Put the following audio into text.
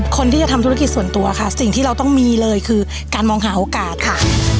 คนที่จะทำธุรกิจส่วนตัวค่ะสิ่งที่เราต้องมีเลยคือการมองหาโอกาสค่ะ